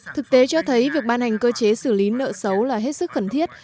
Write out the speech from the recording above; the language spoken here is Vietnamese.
thực tế cho thấy việc ban hành cơ chế xử lý nợ xấu là hết sức cần thiết